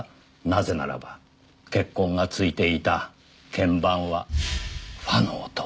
なぜならば血痕がついていた鍵盤はファの音。